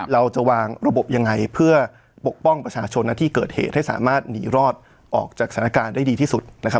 เราจะวางระบบยังไงเพื่อปกป้องประชาชนที่เกิดเหตุให้สามารถหนีรอดออกจากสถานการณ์ได้ดีที่สุดนะครับ